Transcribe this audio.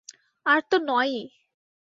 আর তো নয়ই।